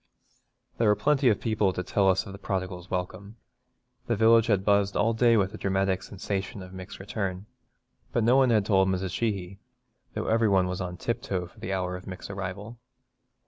There were plenty of people to tell us of the prodigal's welcome. The village had buzzed all day with the dramatic sensation of Mick's return, but no one had told Mrs. Sheehy though every one was on tiptoe for the hour of Mick's arrival.